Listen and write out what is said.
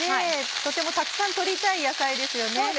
とてもたくさん取りたい野菜ですよね。